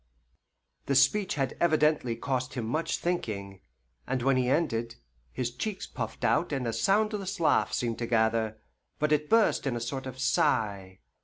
The speech had evidently cost him much thinking, and when he ended, his cheeks puffed out and a soundless laugh seemed to gather, but it burst in a sort of sigh.